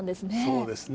そうですね。